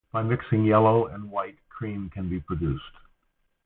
By mixing yellow and white, cream can be produced.